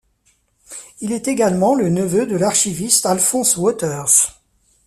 Il est également le neveu de l'archiviste Alphonse Wauters.